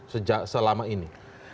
sejak selama ini